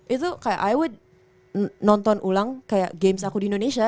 itu kayak i with nonton ulang kayak games aku di indonesia